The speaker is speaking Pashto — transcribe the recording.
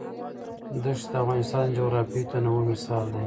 دښتې د افغانستان د جغرافیوي تنوع مثال دی.